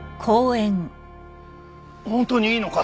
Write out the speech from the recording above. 本当にいいのか？